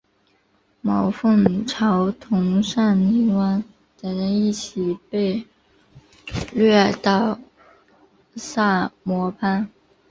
毛凤朝同尚宁王等人一起被掳到萨摩藩。